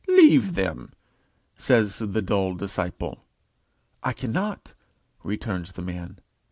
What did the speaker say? "Leave them," says the dull disciple. "I cannot," returns the man.